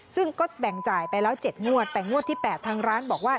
ซึ่งก็แบ่งจ่ายไปแล้ว๗งวดแต่งวดที่๘ทางร้านบอกว่า